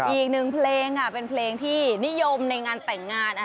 อีกหนึ่งเพลงค่ะเป็นเพลงที่นิยมในงานแต่งงาน